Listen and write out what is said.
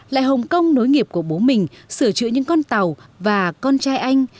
lại hồng kông nối nghiệp của bố mình sửa chữa những con tàu và con trai anh